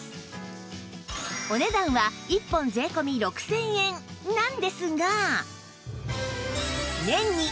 お値段は１本税込６０００円なんですが